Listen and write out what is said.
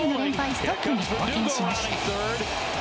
ストップに貢献しました。